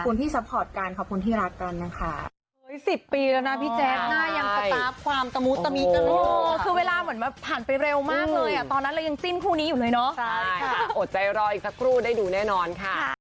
ขอบคุณที่ซัพพอร์ตกันขอบคุณที่รักกันนะคะ